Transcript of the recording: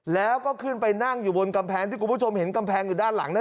แล้วก็ขึ้นไปนั่งอยู่บนกำแพงที่คุณผู้ชมเห็นกำแพงอยู่ด้านหลัง